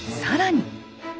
更に。